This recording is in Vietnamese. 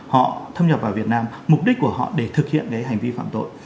họ thâm nhập vào việt nam mục đích của họ để thực hiện cái hành vi phạm tội